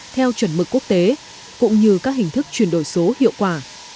theo chuẩn mực quốc tế cũng như các hình thức chuyển đổi số hiệu quả